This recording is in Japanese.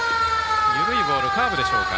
緩いボール、カーブでしょうか。